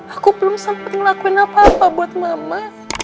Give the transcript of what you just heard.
aku belum sempat ngelakuin apa apa buat mama